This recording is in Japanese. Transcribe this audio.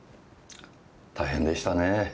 大変でしたね。